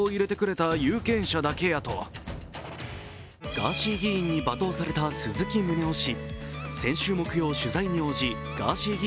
ガーシー議員に罵倒された鈴木宗男氏。